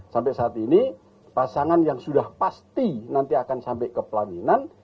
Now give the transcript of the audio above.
sampai saat ini pasangan yang sudah pasti nanti akan sampai ke pelaminan